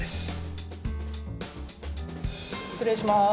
失礼します。